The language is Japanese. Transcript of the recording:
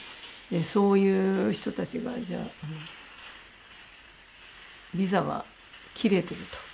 そういう人たちがじゃああのビザが切れてると。